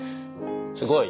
すごい！